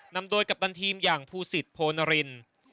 นำโดยกัปตันทีมอย่างภูสิตโพนริน